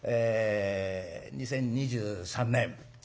２０２３年え